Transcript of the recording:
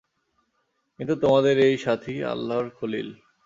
কিন্তু তোমাদের এই সাথী আল্লাহর খলীল।